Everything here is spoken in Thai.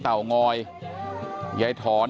เต่างอยใยถอน